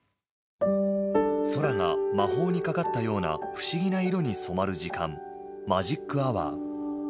空が魔法にかかったような不思議な色に染まる時間マジックアワー。